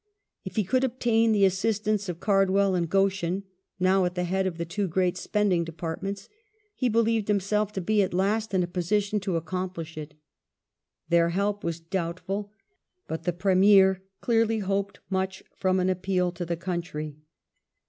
If he could obtain the assistance of Card well and Gt)schen, now at the head of the two great spending Depart ments, he believed himself to be at last in a position to accomplish it. Their help was doubtful, but the Premier clearly hoped much from an appeal to the country.